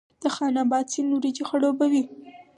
د خان اباد سیند وریجې خړوبوي